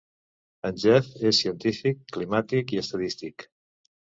En Jeff és científic climàtic i estadístic.